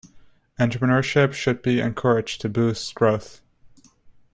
Entrepreneurship should be encouraged to boost growth.